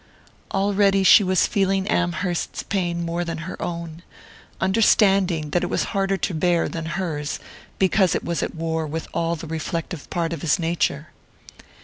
Already she was feeling Amherst's pain more than her own, understanding that it was harder to bear than hers because it was at war with all the reflective part of his nature.